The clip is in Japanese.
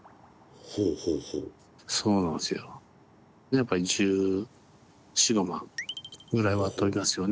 やっぱり１４１５万ぐらいは飛びますよね。